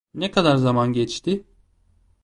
Ne kadar zaman geçti?